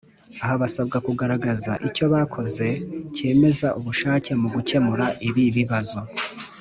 aha basabwa kugaraza icyo bakoze cyemeza ubushake mu gukemura ibi bibazo